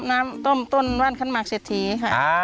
น้ำต้มต้นว่านขั้นหมากเศรษฐีค่ะ